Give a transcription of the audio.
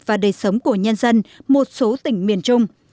và đời sống của nhân dân một số tỉnh miền trung